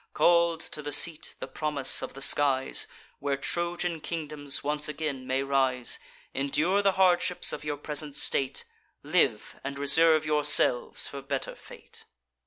Call'd to the seat (the promise of the skies) Where Trojan kingdoms once again may rise, Endure the hardships of your present state; Live, and reserve yourselves for better fate."